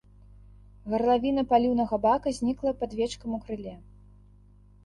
Гарлавіна паліўнага бака знікла пад вечкам у крыле.